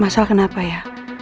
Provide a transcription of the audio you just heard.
masya allah kenapa ya